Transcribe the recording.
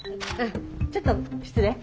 ちょっと失礼。